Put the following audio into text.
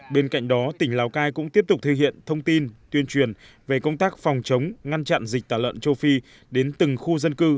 bên cạnh đó tỉnh lào cai cũng tiếp tục thực hiện thông tin tuyên truyền về công tác phòng chống ngăn chặn dịch tả lợn châu phi đến từng khu dân cư